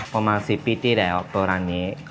ประมาณ๑๐ปีที่แล้วตัวร้านนี้